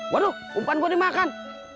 waduh umpan gue dimakan